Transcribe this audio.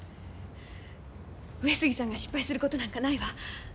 上杉さんが失敗することなんかないわ。